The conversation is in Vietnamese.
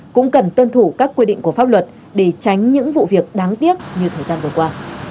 cũng cần tuân thủ các quy định của pháp luật để tránh những vụ việc đáng tiếc như thời gian vừa qua